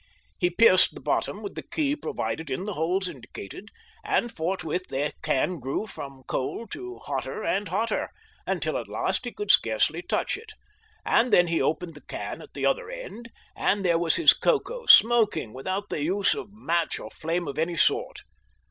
He pierced the bottom with the key provided in the holes indicated, and forthwith the can grew from cold to hotter and hotter, until at last he could scarcely touch it, and then he opened the can at the other end, and there was his cocoa smoking, without the use of match or flame of any sort.